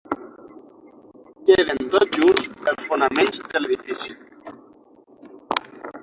Queden tot just els fonaments de l'edifici.